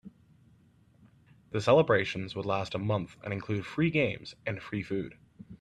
The celebrations would last a month and include free games and free food.